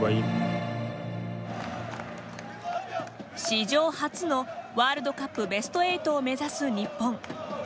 史上初のワールドカップベスト８を目指す日本。